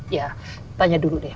ya tanya dulu deh